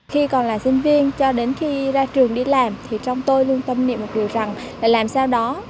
khi còn là sinh viên cho đến khi ra trường đi làm thì trong tôi luôn tâm niệm một điều rằng là làm sao đó